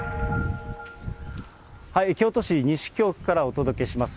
京都市西京区からお届けします。